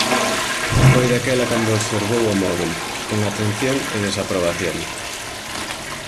Foi daquela cando observou o móbel, con atención e desaprobación.